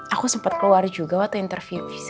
aku sempat keluar juga waktu interview sih